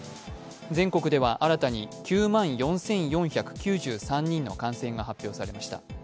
全国では新たに９万４４９３人の感染が発表されました。